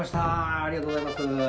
ありがとうございます。